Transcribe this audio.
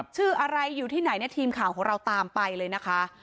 ชื่ออะไรอยู่ที่ไหนเนี่ยทีมข่าวของเราตามไปเลยนะคะ